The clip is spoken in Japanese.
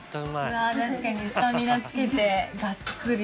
確かにスタミナつけてがっつり。